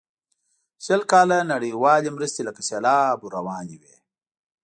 شل کاله نړیوالې مرستې لکه سیلاب ور روانې وې.